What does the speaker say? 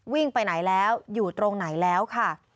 ไปไหนแล้วอยู่ตรงไหนแล้วค่ะ